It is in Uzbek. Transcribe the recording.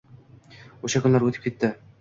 Oʻsha kunlar oʻtib ketdi.